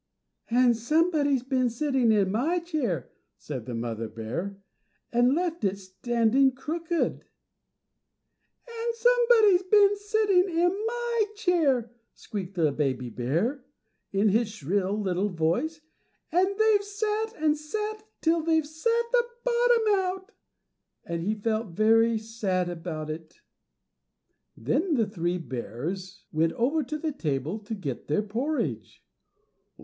"+And somebody's been sitting in my chair+," said the mother bear, "+and left it standing crooked+." "And somebody's been sitting in my chair," squeaked the baby bear, in his shrill little voice, "and they've sat and sat till they've sat the bottom out"; and he felt very sad about it. Then the three bears went over to the table to get their porridge.